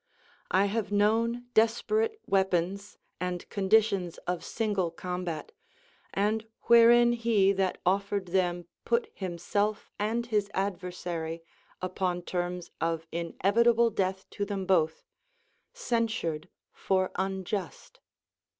I have known desperate weapons, and conditions of single combat, and wherein he that offered them put himself and his adversary upon terms of inevitable death to them both, censured for unjust.